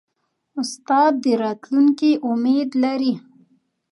استاد د راتلونکي امید لري.